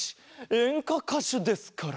えんかかしゅですから。